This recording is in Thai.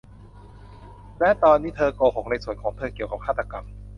และตอนนี้เธอโกหกในส่วนของเธอเกี่ยวกับฆาตกรรม